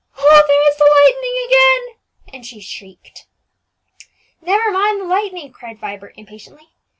Oh, there is the lightning again!" and she shrieked. "Never mind the lightning," cried Vibert impatiently.